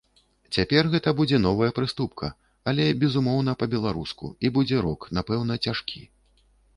Цяпер гэта будзе новая прыступка, але, безумоўна, па-беларуску, і будзе рок, напэўна, цяжкі.